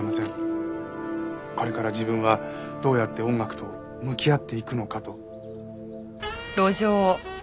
これから自分はどうやって音楽と向き合っていくのかと。